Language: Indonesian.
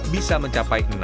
bisa mencapai enam